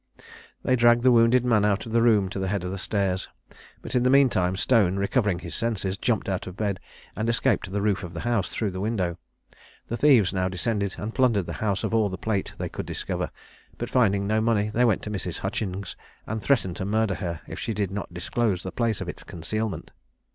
They dragged the wounded man out of the room to the head of the stairs; but in the mean time Stone, recovering his senses, jumped out of bed, and escaped to the roof of the house, through the window. The thieves now descended and plundered the house of all the plate they could discover; but finding no money, they went to Mrs. Hutchings, and threatened to murder her if she did not disclose the place of its concealment.